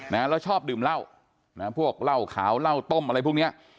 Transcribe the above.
แล้วชอบดื่มเหล้านะพวกเหล้าขาวเหล้าต้มอะไรพวกเนี้ย